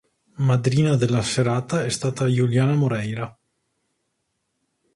Madrina della serata è stata Juliana Moreira.